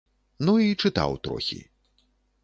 Ну і чытаў трохі.